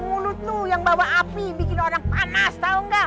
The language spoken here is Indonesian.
mulut tuh yang bawa api bikin orang panas tau gak